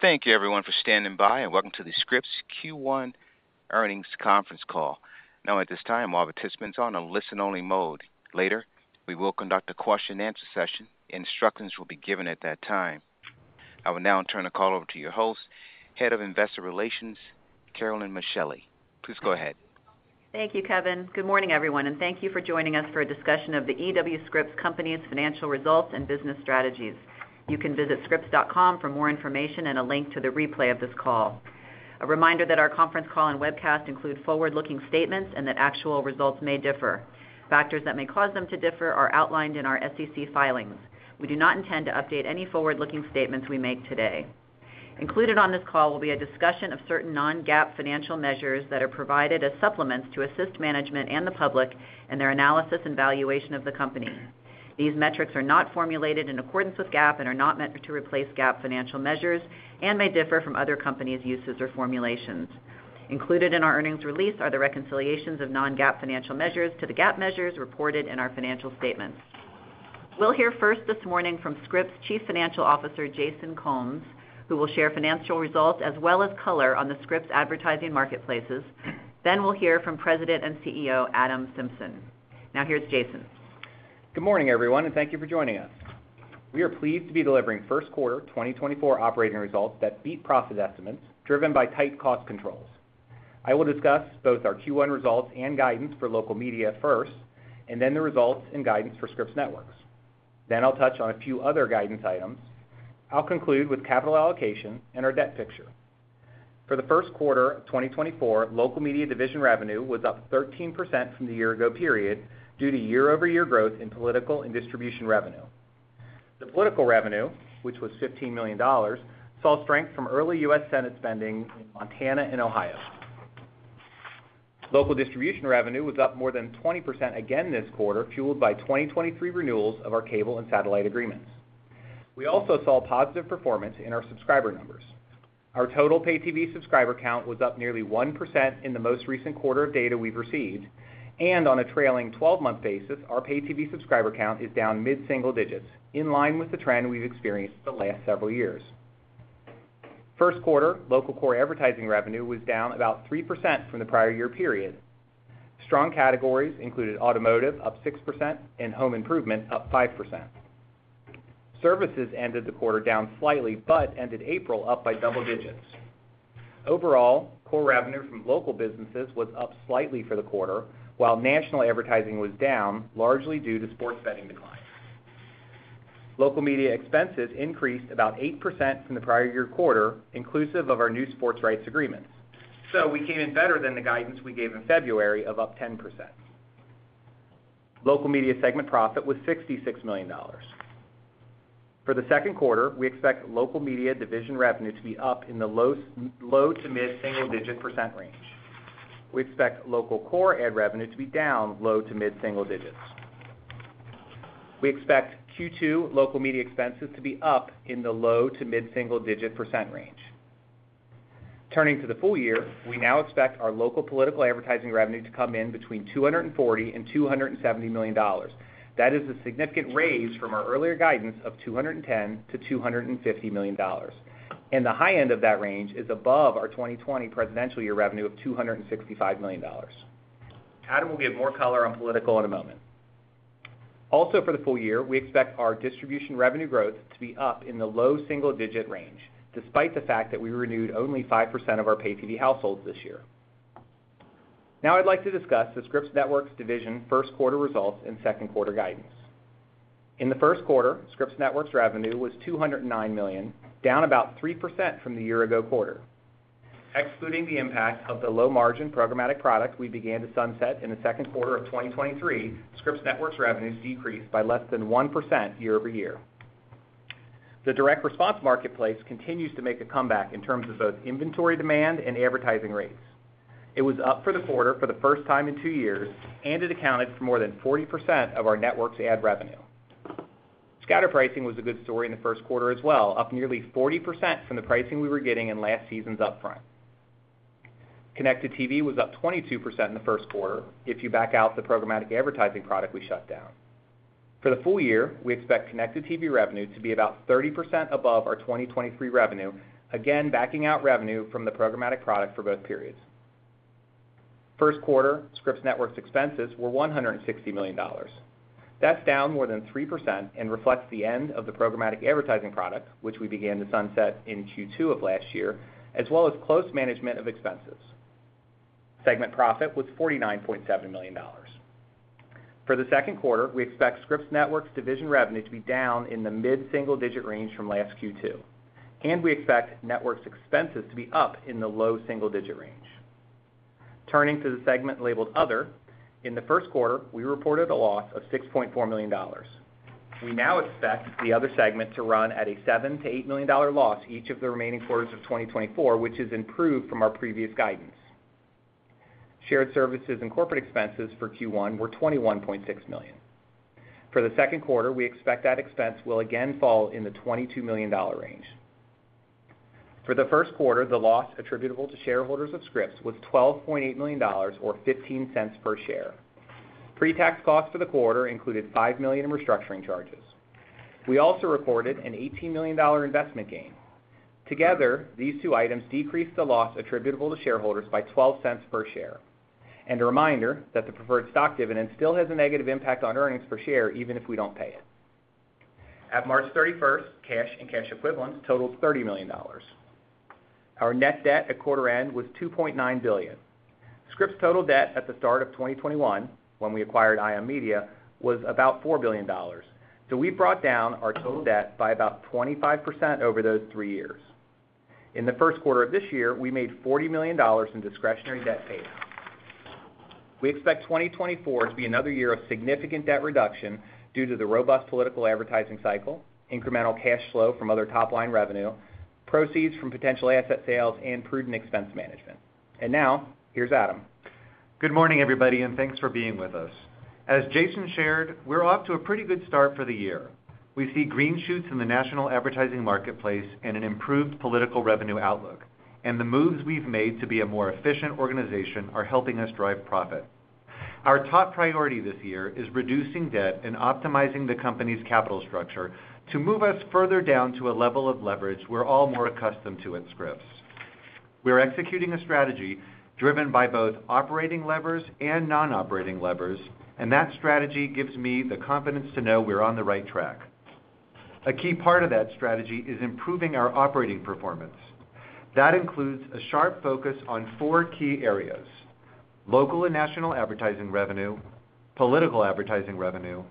Thank you, everyone, for standing by and welcome to the Scripps Q1 earnings conference call. Now, at this time, all participants are on a listen-only mode. Later, we will conduct a question-and-answer session. Instructions will be given at that time. I will now turn the call over to your host, Head of Investor Relations, Carolyn Micheli. Please go ahead. Thank you, Kevin. Good morning, everyone, and thank you for joining us for a discussion of The E.W. Scripps Company's financial results and business strategies. You can visit scripps.com for more information and a link to the replay of this call. A reminder that our conference call and webcast include forward-looking statements and that actual results may differ. Factors that may cause them to differ are outlined in our SEC filings. We do not intend to update any forward-looking statements we make today. Included on this call will be a discussion of certain non-GAAP financial measures that are provided as supplements to assist management and the public in their analysis and valuation of the company. These metrics are not formulated in accordance with GAAP and are not meant to replace GAAP financial measures and may differ from other companies' uses or formulations. Included in our earnings release are the reconciliations of non-GAAP financial measures to the GAAP measures reported in our financial statements. We'll hear first this morning from Scripps Chief Financial Officer Jason Combs, who will share financial results as well as color on the Scripps advertising marketplaces. Then we'll hear from President and CEO Adam Symson. Now here's Jason. Good morning, everyone, and thank you for joining us. We are pleased to be delivering first quarter 2024 operating results that beat profit estimates driven by tight cost controls. I will discuss both our Q1 results and guidance for Local Media first, and then the results and guidance for Scripps Networks. Then I'll touch on a few other guidance items. I'll conclude with capital allocation and our debt picture. For the first quarter of 2024, Local Media division revenue was up 13% from the year-ago period due to year-over-year growth in political and distribution revenue. The political revenue, which was $15 million, saw strength from early U.S. Senate spending in Montana and Ohio. Local distribution revenue was up more than 20% again this quarter, fueled by 2023 renewals of our cable and satellite agreements. We also saw positive performance in our subscriber numbers. Our total pay TV subscriber count was up nearly 1% in the most recent quarter of data we've received, and on a trailing 12-month basis, our pay TV subscriber count is down mid-single digits, in line with the trend we've experienced the last several years. First quarter, local core advertising revenue was down about 3% from the prior year period. Strong categories included automotive, up 6%, and home improvement, up 5%. Services ended the quarter down slightly but ended April up by double digits. Overall, core revenue from local businesses was up slightly for the quarter, while national advertising was down, largely due to sports betting decline. Local Media expenses increased about 8% from the prior year quarter, inclusive of our new sports rights agreements, so we came in better than the guidance we gave in February of up 10%. Local Media segment profit was $66 million. For the second quarter, we expect Local Media division revenue to be up in the low-to-mid-single-digit % range. We expect local core ad revenue to be down low-to-mid-single digits. We expect Q2 Local Media expenses to be up in the low-to-mid-single-digit % range. Turning to the full year, we now expect our local political advertising revenue to come in between $240 million-$270 million. That is a significant raise from our earlier guidance of $210 million-$250 million. The high end of that range is above our 2020 presidential year revenue of $265 million. Adam will give more color on political in a moment. Also, for the full year, we expect our distribution revenue growth to be up in the low-single-digit range, despite the fact that we renewed only 5% of our pay TV households this year. Now I'd like to discuss the Scripps Networks division first quarter results and second quarter guidance. In the first quarter, Scripps Networks revenue was $209 million, down about 3% from the year-ago quarter. Excluding the impact of the low-margin programmatic product we began to sunset in the second quarter of 2023, Scripps Networks revenues decreased by less than 1% year-over-year. The direct response marketplace continues to make a comeback in terms of both inventory demand and advertising rates. It was up for the quarter for the first time in two years, and it accounted for more than 40% of our networks' ad revenue. Scatter pricing was a good story in the first quarter as well, up nearly 40% from the pricing we were getting in last season's upfront. Connected TV was up 22% in the first quarter if you back out the programmatic advertising product we shut down. For the full year, we expect connected TV revenue to be about 30% above our 2023 revenue, again backing out revenue from the programmatic product for both periods. First quarter, Scripps Networks expenses were $160 million. That's down more than 3% and reflects the end of the programmatic advertising product, which we began to sunset in Q2 of last year, as well as close management of expenses. Segment profit was $49.7 million. For the second quarter, we expect Scripps Networks division revenue to be down in the mid-single-digit range from last Q2, and we expect networks' expenses to be up in the low-single-digit range. Turning to the segment labeled Other, in the first quarter, we reported a loss of $6.4 million. We now expect the Other segment to run at a $7 million-$8 million loss each of the remaining quarters of 2024, which is improved from our previous guidance. Shared services and corporate expenses for Q1 were $21.6 million. For the second quarter, we expect that expense will again fall in the $22 million range. For the first quarter, the loss attributable to shareholders of Scripps was $12.8 million or $0.15 per share. Pre-tax costs for the quarter included $5 million in restructuring charges. We also recorded an $18 million investment gain. Together, these two items decreased the loss attributable to shareholders by $0.12 per share. A reminder that the preferred stock dividend still has a negative impact on earnings per share even if we don't pay it. At March 31st, cash and cash equivalents totaled $30 million. Our net debt at quarter end was $2.9 billion. Scripps total debt at the start of 2021, when we acquired ION Media, was about $4 billion, so we've brought down our total debt by about 25% over those three years. In the first quarter of this year, we made $40 million in discretionary debt payouts. We expect 2024 to be another year of significant debt reduction due to the robust political advertising cycle, incremental cash flow from other top-line revenue, proceeds from potential asset sales, and prudent expense management. And now here's Adam. Good morning, everybody, and thanks for being with us. As Jason shared, we're off to a pretty good start for the year. We see green shoots in the national advertising marketplace and an improved political revenue outlook, and the moves we've made to be a more efficient organization are helping us drive profit. Our top priority this year is reducing debt and optimizing the company's capital structure to move us further down to a level of leverage we're all more accustomed to at Scripps. We're executing a strategy driven by both operating levers and non-operating levers, and that strategy gives me the confidence to know we're on the right track. A key part of that strategy is improving our operating performance. That includes a sharp focus on four key areas: local and national advertising revenue, political advertising revenue,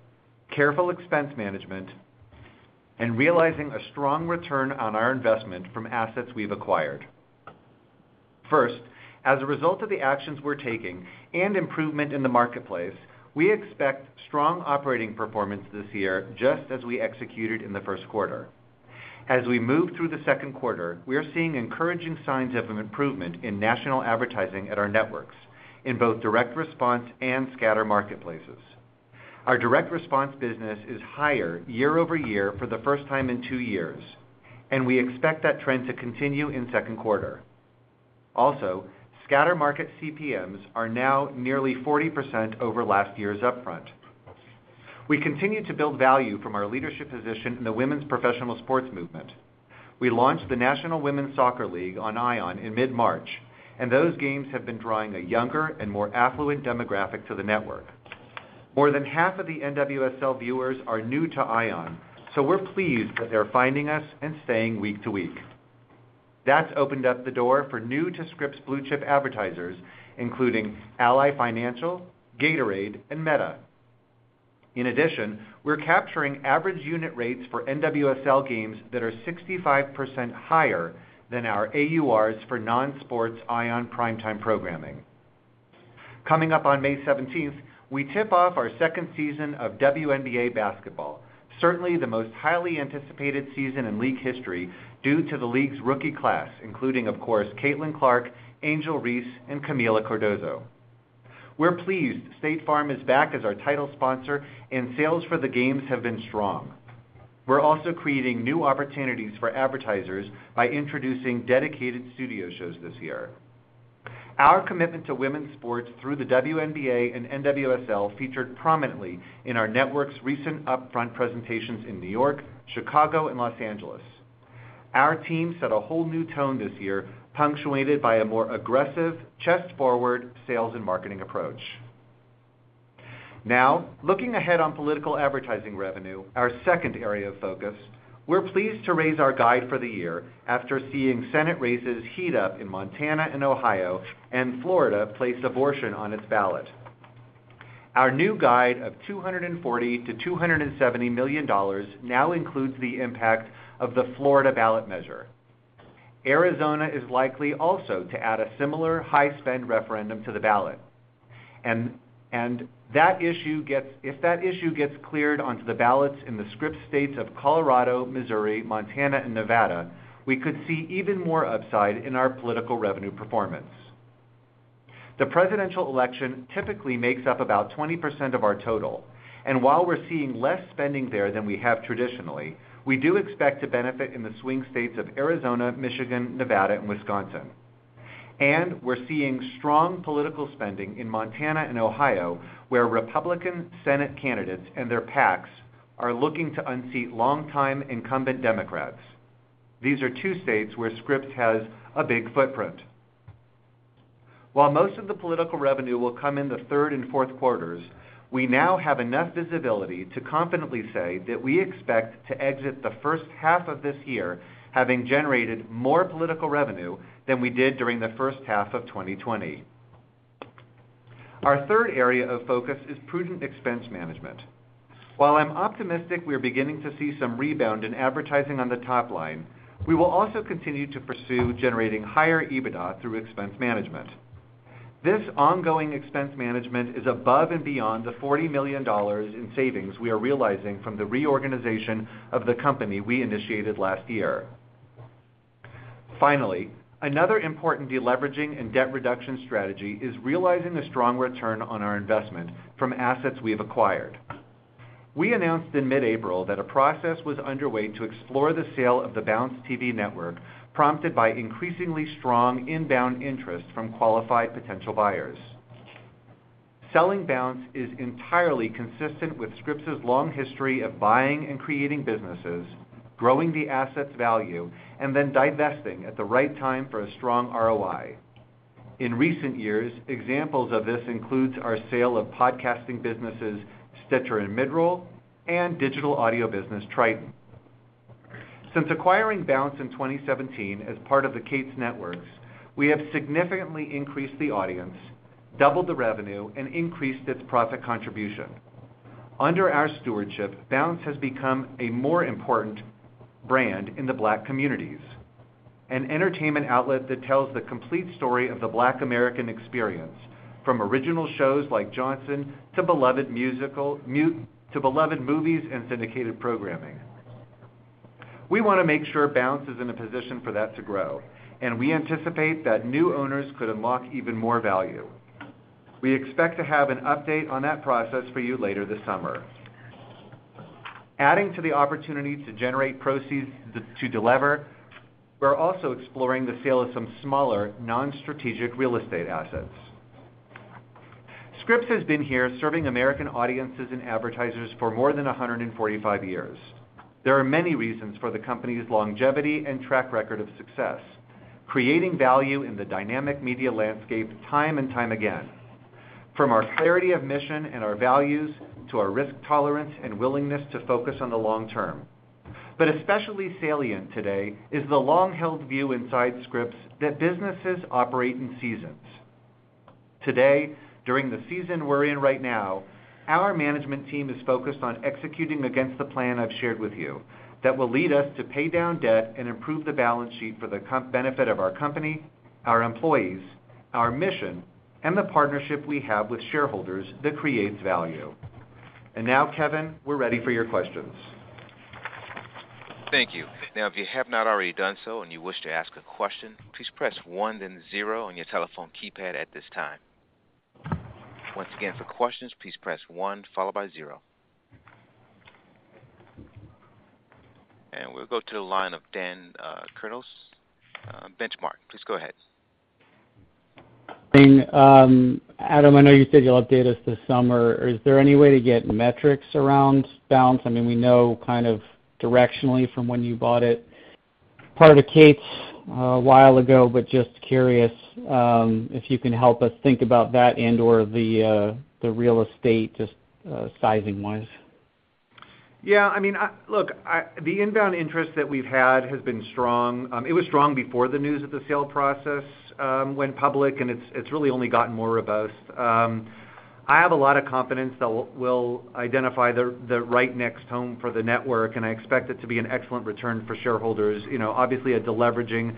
careful expense management, and realizing a strong return on our investment from assets we've acquired. First, as a result of the actions we're taking and improvement in the marketplace, we expect strong operating performance this year just as we executed in the first quarter. As we move through the second quarter, we are seeing encouraging signs of improvement in national advertising at our networks, in both direct response and scatter marketplaces. Our direct response business is higher year-over-year for the first time in two years, and we expect that trend to continue in second quarter. Also, scatter market CPMs are now nearly 40% over last year's upfront. We continue to build value from our leadership position in the women's professional sports movement. We launched the National Women's Soccer League on ION in mid-March, and those games have been drawing a younger and more affluent demographic to the network. More than half of the NWSL viewers are new to ION, so we're pleased that they're finding us and staying week to week. That's opened up the door for new-to-Scripps blue-chip advertisers, including Ally Financial, Gatorade, and Meta. In addition, we're capturing average unit rates for NWSL games that are 65% higher than our AURs for non-sports ION primetime programming. Coming up on May 17th, we tip off our second season of WNBA basketball, certainly the most highly anticipated season in league history due to the league's rookie class, including, of course, Caitlin Clark, Angel Reese, and Kamilla Cardoso. We're pleased State Farm is back as our title sponsor, and sales for the games have been strong. We're also creating new opportunities for advertisers by introducing dedicated studio shows this year. Our commitment to women's sports through the WNBA and NWSL featured prominently in our networks' recent upfront presentations in New York, Chicago, and Los Angeles. Our team set a whole new tone this year, punctuated by a more aggressive, chest-forward sales and marketing approach. Now, looking ahead on political advertising revenue, our second area of focus, we're pleased to raise our guide for the year after seeing Senate races heat up in Montana and Ohio and Florida place abortion on its ballot. Our new guide of $240 million-$270 million now includes the impact of the Florida ballot measure. Arizona is likely also to add a similar high-spend referendum to the ballot. If that issue gets cleared onto the ballots in the Scripps states of Colorado, Missouri, Montana, and Nevada, we could see even more upside in our political revenue performance. The presidential election typically makes up about 20% of our total, and while we're seeing less spending there than we have traditionally, we do expect to benefit in the swing states of Arizona, Michigan, Nevada, and Wisconsin. We're seeing strong political spending in Montana and Ohio, where Republican Senate candidates and their PACs are looking to unseat longtime incumbent Democrats. These are two states where Scripps has a big footprint. While most of the political revenue will come in the third and fourth quarters, we now have enough visibility to confidently say that we expect to exit the first half of this year having generated more political revenue than we did during the first half of 2020. Our third area of focus is prudent expense management. While I'm optimistic we're beginning to see some rebound in advertising on the top line, we will also continue to pursue generating higher EBITDA through expense management. This ongoing expense management is above and beyond the $40 million in savings we are realizing from the reorganization of the company we initiated last year. Finally, another important deleveraging and debt reduction strategy is realizing a strong return on our investment from assets we've acquired. We announced in mid-April that a process was underway to explore the sale of the Bounce TV network, prompted by increasingly strong inbound interest from qualified potential buyers. Selling Bounce is entirely consistent with Scripps' long history of buying and creating businesses, growing the asset's value, and then divesting at the right time for a strong ROI. In recent years, examples of this include our sale of podcasting businesses Stitcher & Midroll and digital audio business Triton. Since acquiring Bounce in 2017 as part of the Katz Networks, we have significantly increased the audience, doubled the revenue, and increased its profit contribution. Under our stewardship, Bounce has become a more important brand in the Black communities, an entertainment outlet that tells the complete story of the Black American experience, from original shows like Johnson to beloved movies and syndicated programming. We want to make sure Bounce is in a position for that to grow, and we anticipate that new owners could unlock even more value. We expect to have an update on that process for you later this summer. Adding to the opportunity to delever, we're also exploring the sale of some smaller, non-strategic real estate assets. Scripps has been here serving American audiences and advertisers for more than 145 years. There are many reasons for the company's longevity and track record of success, creating value in the dynamic media landscape time and time again, from our clarity of mission and our values to our risk tolerance and willingness to focus on the long term. But especially salient today is the long-held view inside Scripps that businesses operate in seasons. Today, during the season we're in right now, our management team is focused on executing against the plan I've shared with you that will lead us to pay down debt and improve the balance sheet for the benefit of our company, our employees, our mission, and the partnership we have with shareholders that creates value. And now, Kevin, we're ready for your questions. Thank you. Now, if you have not already done so and you wish to ask a question, please press one, then zero on your telephone keypad at this time. Once again, for questions, please press one followed by zero. We'll go to the line of Dan Kurnos, Benchmark. Please go ahead. Adam, I know you said you'll update us this summer. Is there any way to get metrics around Bounce? I mean, we know kind of directionally from when you bought it. Part of Katz a while ago, but just curious if you can help us think about that and/or the real estate, just sizing-wise. Yeah. I mean, look, the inbound interest that we've had has been strong. It was strong before the news of the sale process went public, and it's really only gotten more robust. I have a lot of confidence that we'll identify the right next home for the network, and I expect it to be an excellent return for shareholders, obviously a deleveraging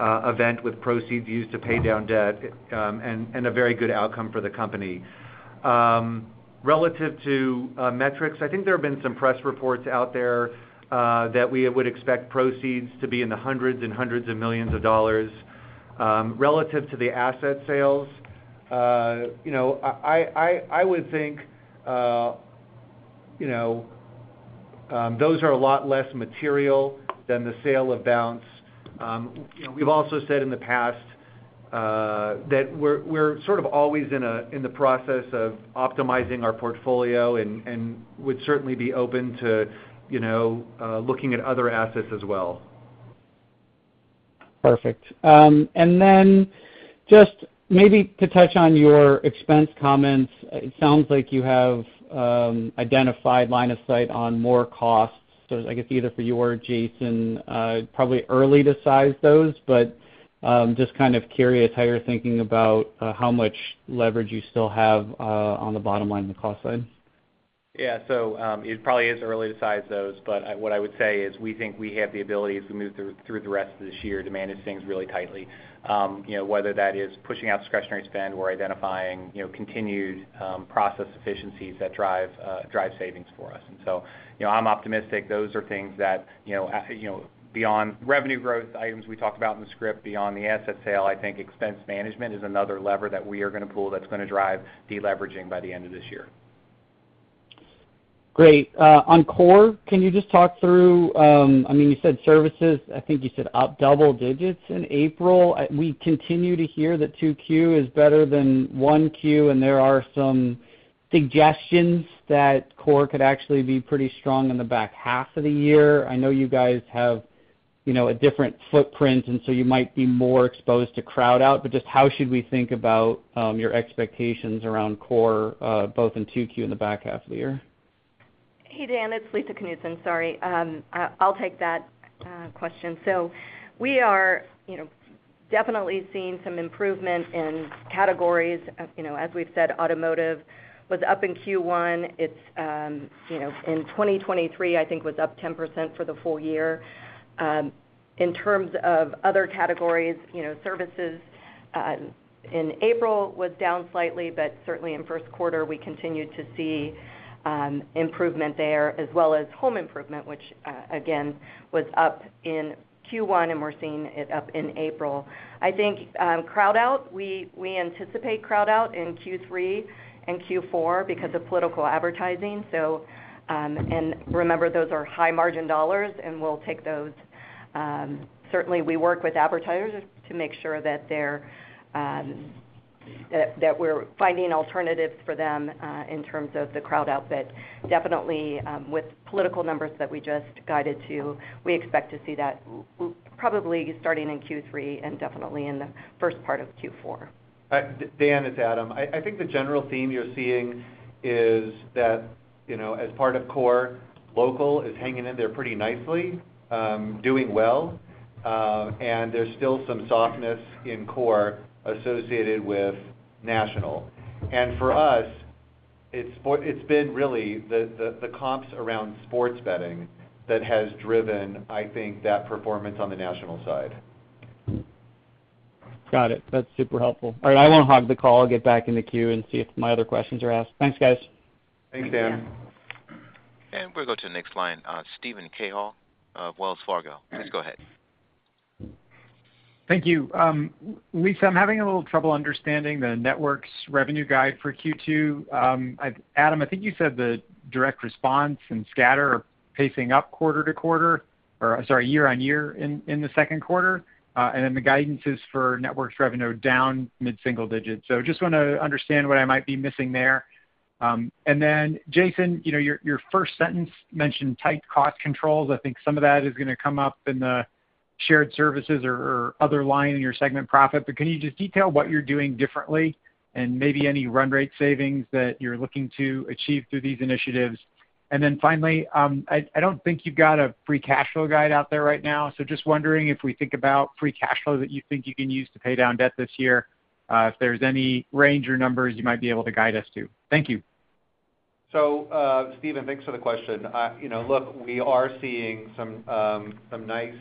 event with proceeds used to pay down debt and a very good outcome for the company. Relative to metrics, I think there have been some press reports out there that we would expect proceeds to be in the hundreds and hundreds of millions of dollars. Relative to the asset sales, I would think those are a lot less material than the sale of Bounce. We've also said in the past that we're sort of always in the process of optimizing our portfolio and would certainly be open to looking at other assets as well. Perfect. And then just maybe to touch on your expense comments, it sounds like you have identified line of sight on more costs. So I guess either for you or Jason, probably early to size those, but just kind of curious how you're thinking about how much leverage you still have on the bottom line, the cost side. Yeah. So it probably is early to size those, but what I would say is we think we have the abilities, as we move through the rest of this year, to manage things really tightly, whether that is pushing out discretionary spend or identifying continued process efficiencies that drive savings for us. And so I'm optimistic those are things that beyond revenue growth items we talked about in the script, beyond the asset sale, I think expense management is another lever that we are going to pull that's going to drive deleveraging by the end of this year. Great. On core, can you just talk through, I mean, you said services. I think you said up double digits in April. We continue to hear that 2Q is better than 1Q, and there are some suggestions that core could actually be pretty strong in the back half of the year. I know you guys have a different footprint, and so you might be more exposed to crowd out, but just how should we think about your expectations around core, both in 2Q and the back half of the year? Hey, Dan. It's Lisa Knutson. Sorry. I'll take that question. So we are definitely seeing some improvement in categories. As we've said, automotive was up in Q1. In 2023, I think, was up 10% for the full year. In terms of other categories, services in April was down slightly, but certainly in first quarter, we continued to see improvement there as well as home improvement, which, again, was up in Q1, and we're seeing it up in April. I think crowd out, we anticipate crowd out in Q3 and Q4 because of political advertising. And remember, those are high-margin dollars, and we'll take those. Certainly, we work with advertisers to make sure that we're finding alternatives for them in terms of the crowd out. Definitely, with political numbers that we just guided to, we expect to see that probably starting in Q3 and definitely in the first part of Q4. Dan, it's Adam. I think the general theme you're seeing is that, as part of core, local is hanging in there pretty nicely, doing well, and there's still some softness in core associated with national. For us, it's been really the comps around sports betting that has driven, I think, that performance on the national side. Got it. That's super helpful. All right. I want to hog the call. I'll get back in the queue and see if my other questions are asked. Thanks, guys. Thanks, Dan. We'll go to the next line. Steven Cahall of Wells Fargo. Please go ahead. Thank you. Lisa, I'm having a little trouble understanding the networks' revenue guide for Q2. Adam, I think you said the direct response and scatter are pacing up quarter-over-quarter or, sorry, year-over-year in the second quarter, and then the guidances for networks' revenue are down mid-single digits. So I just want to understand what I might be missing there. And then, Jason, your first sentence mentioned tight cost controls. I think some of that is going to come up in the shared services or other line in your segment profit, but can you just detail what you're doing differently and maybe any run rate savings that you're looking to achieve through these initiatives? And then finally, I don't think you've got a free cash flow guide out there right now, so just wondering if we think about free cash flow that you think you can use to pay down debt this year, if there's any range or numbers you might be able to guide us to. Thank you. So, Steven, thanks for the question. Look, we are seeing some nice,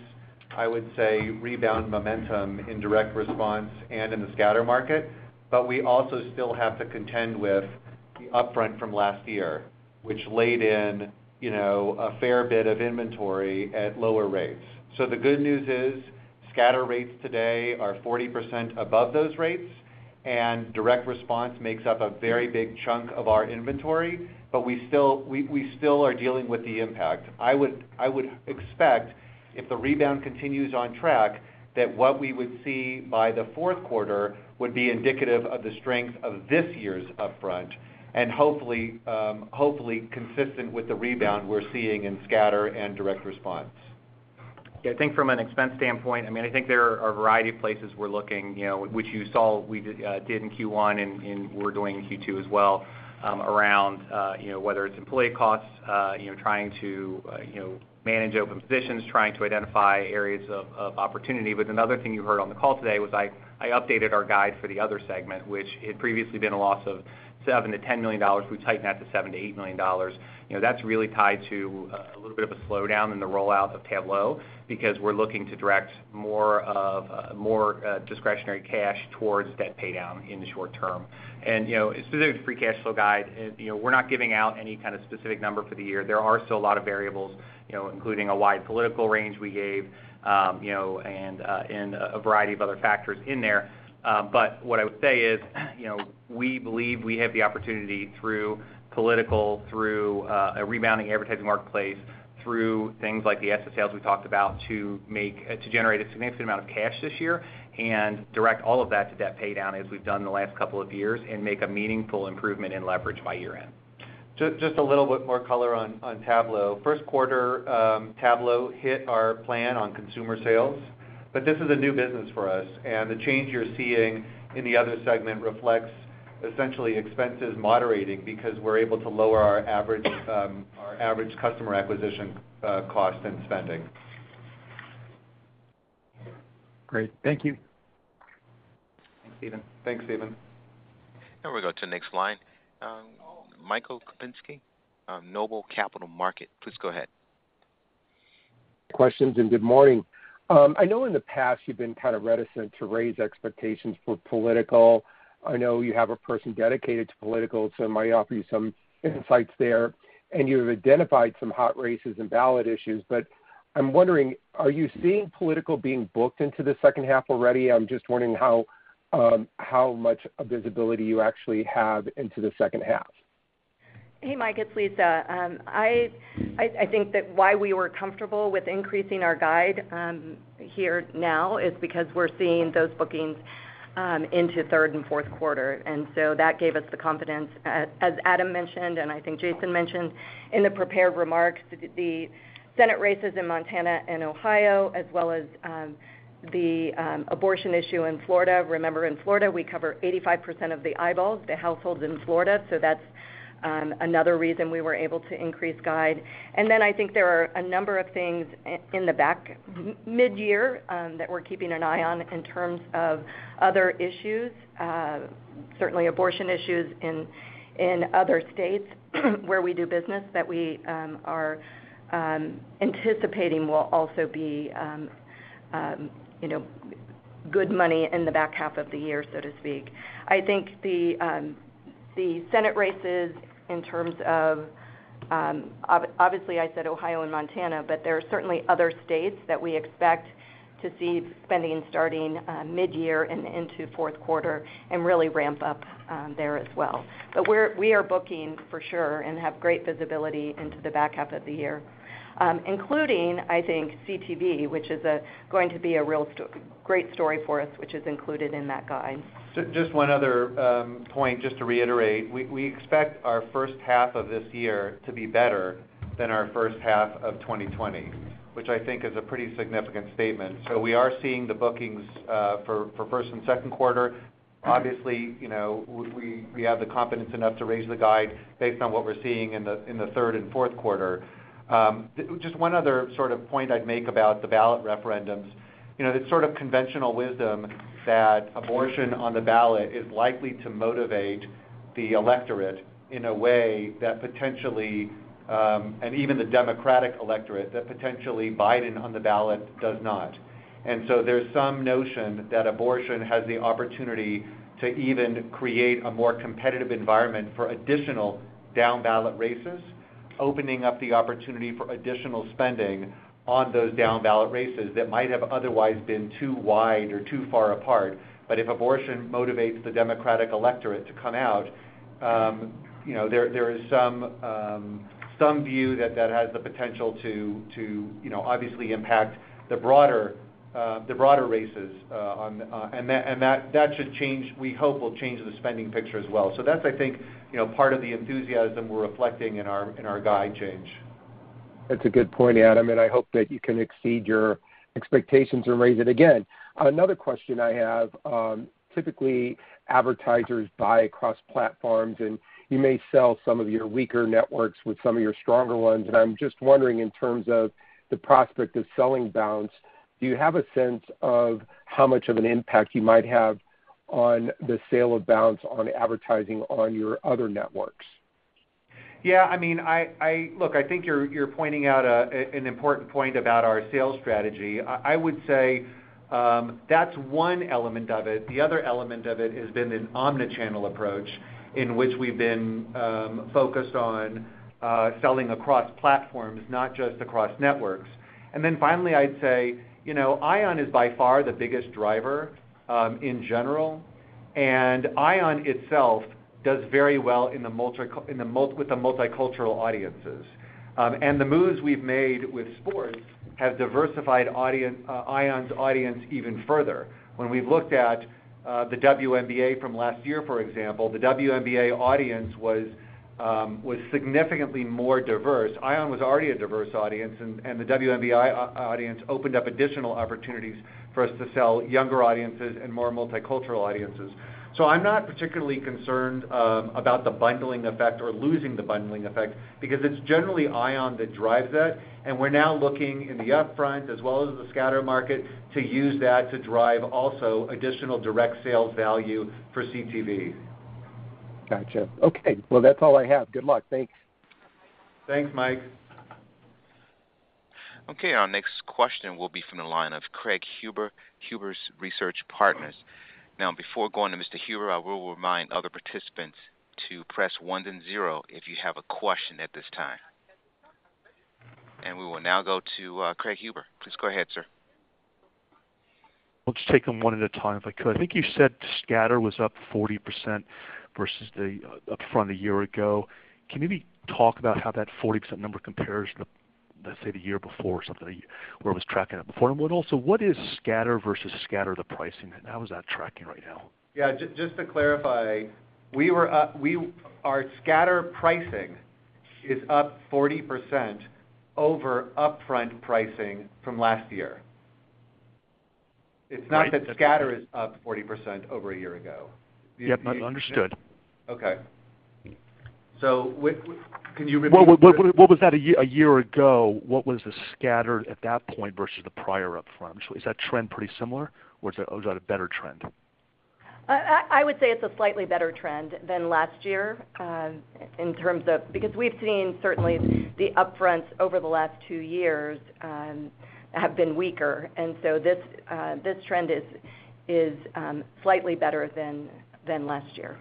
I would say, rebound momentum in direct response and in the scatter market, but we also still have to contend with the upfront from last year, which laid in a fair bit of inventory at lower rates. So the good news is scatter rates today are 40% above those rates, and direct response makes up a very big chunk of our inventory, but we still are dealing with the impact. I would expect, if the rebound continues on track, that what we would see by the fourth quarter would be indicative of the strength of this year's upfront and hopefully consistent with the rebound we're seeing in scatter and direct response. Yeah. I think from an expense standpoint, I mean, I think there are a variety of places we're looking, which you saw we did in Q1 and we're doing in Q2 as well, around whether it's employee costs, trying to manage open positions, trying to identify areas of opportunity. But another thing you heard on the call today was I updated our guide for the Other segment, which had previously been a loss of $7 million-$10 million. We've tightened that to $7 million-$8 million. That's really tied to a little bit of a slowdown in the rollout of Tablo because we're looking to direct more discretionary cash towards debt paydown in the short term. And specific to free cash flow guide, we're not giving out any kind of specific number for the year. There are still a lot of variables, including a wide political range we gave and a variety of other factors in there. But what I would say is we believe we have the opportunity through political, through a rebounding advertising marketplace, through things like the asset sales we talked about to generate a significant amount of cash this year and direct all of that to debt paydown as we've done in the last couple of years and make a meaningful improvement in leverage by year-end. Just a little bit more color on Tablo. First quarter, Tablo hit our plan on consumer sales, but this is a new business for us. The change you're seeing in the Other segment reflects essentially expenses moderating because we're able to lower our average customer acquisition cost and spending. Great. Thank you. Thanks, Steven. Thanks, Steven. We'll go to the next line. Michael Kupinski, Noble Capital Markets. Please go ahead. Questions and good morning. I know in the past you've been kind of reticent to raise expectations for political. I know you have a person dedicated to political, so I might offer you some insights there. You have identified some hot races and ballot issues, but I'm wondering, are you seeing political being booked into the second half already? I'm just wondering how much visibility you actually have into the second half. Hey, Mike. It's Lisa. I think that's why we were comfortable with increasing our guide here now is because we're seeing those bookings into third and fourth quarter. And so that gave us the confidence, as Adam mentioned and I think Jason mentioned in the prepared remarks, the Senate races in Montana and Ohio as well as the abortion issue in Florida. Remember, in Florida, we cover 85% of the eyeballs, the households in Florida, so that's another reason we were able to increase guide. And then I think there are a number of things in the back mid-year that we're keeping an eye on in terms of other issues, certainly abortion issues in other states where we do business that we are anticipating will also be good money in the back half of the year, so to speak. I think the Senate races in terms of obviously, I said Ohio and Montana, but there are certainly other states that we expect to see spending starting mid-year and into fourth quarter and really ramp up there as well. But we are booking for sure and have great visibility into the back half of the year, including, I think, CTV, which is going to be a real great story for us, which is included in that guide. Just one other point, just to reiterate, we expect our first half of this year to be better than our first half of 2020, which I think is a pretty significant statement. So we are seeing the bookings for first and second quarter. Obviously, we have the confidence enough to raise the guide based on what we're seeing in the third and fourth quarter. Just one other sort of point I'd make about the ballot referendums, the sort of conventional wisdom that abortion on the ballot is likely to motivate the electorate in a way that potentially and even the Democratic electorate that potentially Biden on the ballot does not. And so there's some notion that abortion has the opportunity to even create a more competitive environment for additional down-ballot races, opening up the opportunity for additional spending on those down-ballot races that might have otherwise been too wide or too far apart. But if abortion motivates the Democratic electorate to come out, there is some view that that has the potential to obviously impact the broader races. And that should change, we hope, will change the spending picture as well. So that's, I think, part of the enthusiasm we're reflecting in our guide change. That's a good point, Adam. And I hope that you can exceed your expectations and raise it again. Another question I have, typically, advertisers buy across platforms, and you may sell some of your weaker networks with some of your stronger ones. And I'm just wondering, in terms of the prospect of selling Bounce, do you have a sense of how much of an impact you might have on the sale of Bounce on advertising on your other networks? Yeah. I mean, look, I think you're pointing out an important point about our sales strategy. I would say that's one element of it. The other element of it has been an omnichannel approach in which we've been focused on selling across platforms, not just across networks. And then finally, I'd say ION is by far the biggest driver in general, and ION itself does very well with the multicultural audiences. And the moves we've made with sports have diversified ION's audience even further. When we've looked at the WNBA from last year, for example, the WNBA audience was significantly more diverse. ION was already a diverse audience, and the WNBA audience opened up additional opportunities for us to sell younger audiences and more multicultural audiences. So I'm not particularly concerned about the bundling effect or losing the bundling effect because it's generally ION that drives that. We're now looking in the upfront as well as the scatter market to use that to drive also additional direct sales value for CTV. Gotcha. Okay. Well, that's all I have. Good luck. Thanks. Thanks, Mike. Okay. Our next question will be from the line of Craig Huber, Huber Research Partners. Now, before going to Mr. Huber, I will remind other participants to press one and zero if you have a question at this time. We will now go to Craig Huber. Please go ahead, sir. I'll just take them one at a time if I could. I think you said scatter was up 40% versus the upfront a year ago. Can you maybe talk about how that 40% number compares to, let's say, the year before or something where it was tracking up before? And also, what is scatter versus scatter the pricing? How is that tracking right now? Yeah. Just to clarify, our scatter pricing is up 40% over upfront pricing from last year. It's not that scatter is up 40% over a year ago. Yep. Understood. Okay. So can you repeat? What was that a year ago? What was the scatter at that point versus the prior upfront? Is that trend pretty similar, or is that a better trend? I would say it's a slightly better trend than last year in terms of because we've seen, certainly, the upfronts over the last two years have been weaker. And so this trend is slightly better than last year.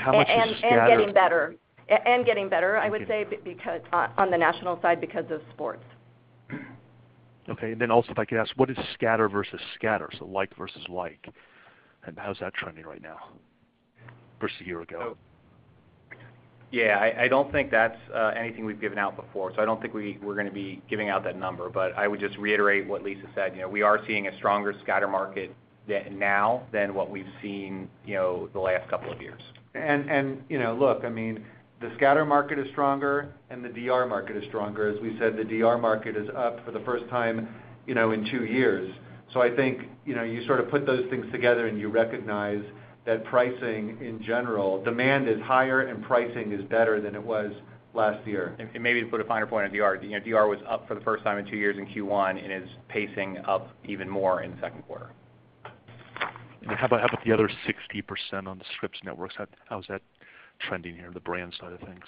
How much is scatter? Getting better. Getting better, I would say, on the national side because of sports. Okay. And then also, if I could ask, what is scatter versus scatter, so like versus like? And how's that trending right now versus a year ago? Yeah. I don't think that's anything we've given out before, so I don't think we're going to be giving out that number. But I would just reiterate what Lisa said. We are seeing a stronger scatter market now than what we've seen the last couple of years. And look, I mean, the scatter market is stronger, and the DR market is stronger. As we said, the DR market is up for the first time in two years. So I think you sort of put those things together, and you recognize that pricing, in general, demand is higher, and pricing is better than it was last year. Maybe to put a finer point on DR, DR was up for the first time in two years in Q1 and is pacing up even more in the second quarter. How about the other 60% on the Scripps Networks? How's that trending here on the brand side of things?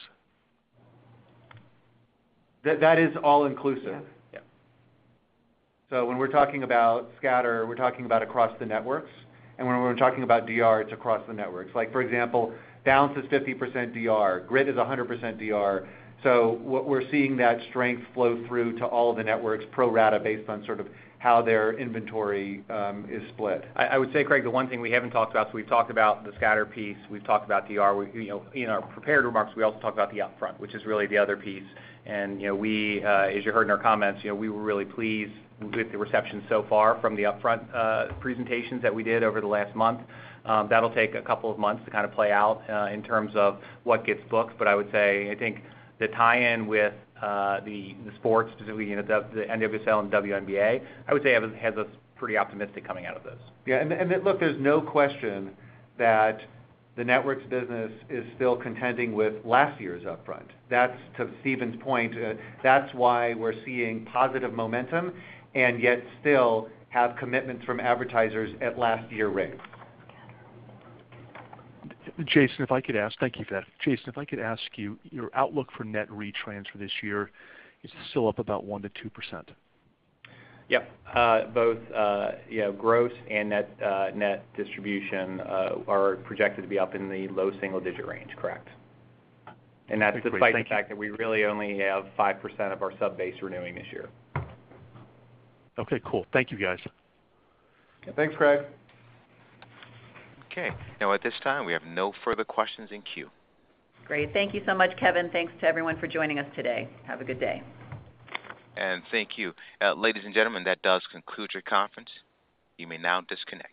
That is all-inclusive. Yeah. Yeah. So when we're talking about scatter, we're talking about across the networks. And when we're talking about DR, it's across the networks. For example, Bounce is 50% DR. Grit is 100% DR. So we're seeing that strength flow through to all of the networks pro rata based on sort of how their inventory is split. I would say, Craig, the one thing we haven't talked about so we've talked about the scatter piece. We've talked about DR. In our prepared remarks, we also talked about the upfront, which is really the other piece. As you heard in our comments, we were really pleased with the reception so far from the upfront presentations that we did over the last month. That'll take a couple of months to kind of play out in terms of what gets booked. But I would say I think the tie-in with the sports, specifically the NWSL and WNBA, I would say has us pretty optimistic coming out of those. Yeah. And look, there's no question that the networks business is still contending with last year's upfront. To Steven's point, that's why we're seeing positive momentum and yet still have commitments from advertisers at last year rates. Jason, if I could ask, thank you for that. Jason, if I could ask you, your outlook for net retrans this year, is it still up about 1%-2%? Yep. Both gross and net distribution are projected to be up in the low single-digit range, correct? That's despite the fact that we really only have 5% of our sub base renewing this year. Okay. Cool. Thank you, guys. Yeah. Thanks, Craig. Okay. Now, at this time, we have no further questions in queue. Great. Thank you so much, Kevin. Thanks to everyone for joining us today. Have a good day. And thank you. Ladies and gentlemen, that does conclude your conference. You may now disconnect.